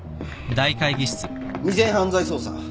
未然犯罪捜査。